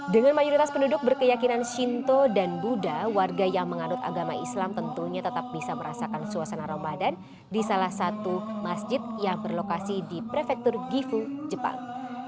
dengan mayoritas penduduk berkeyakinan shinto dan buddha warga yang mengadot agama islam tentunya tetap bisa merasakan suasana ramadan di salah satu masjid yang berlokasi di prefektur gifu jepang